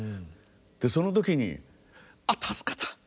その時にあっ助かった。